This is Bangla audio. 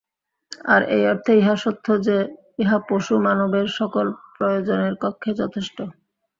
আর এই অর্থে ইহা সত্য যে, ইহা পশু-মানবের সকল প্রয়োজনের পক্ষে যথেষ্ট।